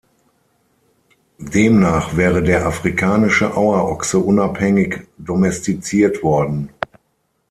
Demnach wäre der Afrikanische Auerochse unabhängig domestiziert worden.